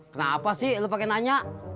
kenapa sih lu pake nanya